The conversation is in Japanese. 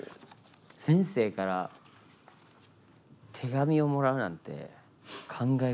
先生から手紙をもらうなんて感慨深い。